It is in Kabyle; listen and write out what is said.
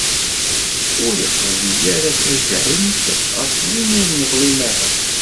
Ur iqebbel ara tajɛelt ɣef win ur neḍlim ara.